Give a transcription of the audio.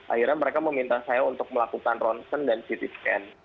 akhirnya mereka meminta saya untuk melakukan ronsen dan ct scan